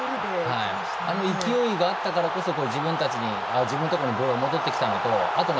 勢いがあったからこそ自分のところにボール戻ってきたんだと。